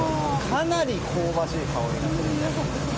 かなり香ばしい香りがします。